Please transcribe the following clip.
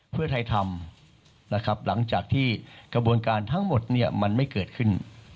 เพื่อไทยทำนะครับหลังจากที่กระบวนการทั้งหมดมันไม่เกิดขึ้น